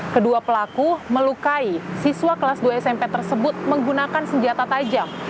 kedua pelaku melukai siswa kelas dua smp tersebut menggunakan senjata tajam